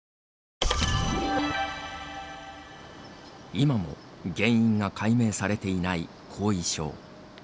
今も原因が解明されていない後遺症。